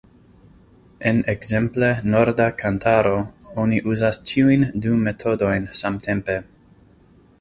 En ekzemple Norda Kantaro oni uzas ĉiujn du metodojn samtempe.